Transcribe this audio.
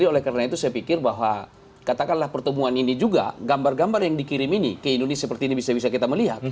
oleh karena itu saya pikir bahwa katakanlah pertemuan ini juga gambar gambar yang dikirim ini ke indonesia seperti ini bisa bisa kita melihat